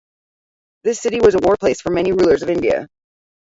This city was a war place for many rulers of India.